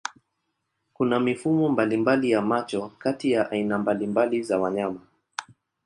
Kuna mifumo mbalimbali ya macho kati ya aina mbalimbali za wanyama.